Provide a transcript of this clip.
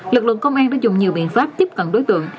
lực lượng công an đã dùng nhiều biện pháp tiếp cận đối tượng